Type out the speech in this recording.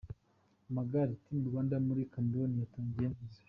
Amagare, Team Rwanda muri Cameroun yatangiye neza.